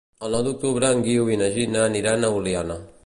El nou d'octubre en Guiu i na Gina aniran a Oliana.